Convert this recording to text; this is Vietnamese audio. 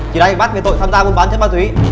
chị đây bắt người tội tham gia buôn bán chết ma túy